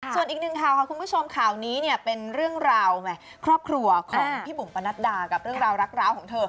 ส่วนอีกหนึ่งข่าวค่ะคุณผู้ชมข่าวนี้เนี่ยเป็นเรื่องราวครอบครัวของพี่บุ๋มปนัดดากับเรื่องราวรักร้าวของเธอ